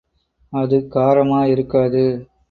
அது காரமா இருக்காது.